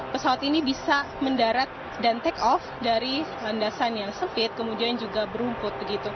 pesawat ini bisa mendarat dan take off dari landasan yang sempit kemudian juga berumput